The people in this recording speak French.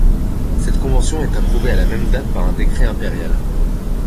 Cette convention est approuvée à la même date par un décret impérial.